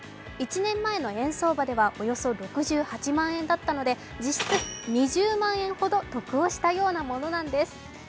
１年前の円相場ではおよそ６８万円だったので、実質２０万円ほど得をしたようなものなんです。